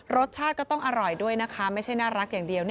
รสชาติก็ต้องอร่อยด้วยนะคะไม่ใช่น่ารักอย่างเดียว